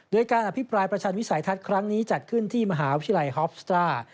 โดยการอภิปรายประชันวิสัยทัศน์ครั้งนี้จัดขึ้นที่มหาวิทยาลัยฮอฟสตรา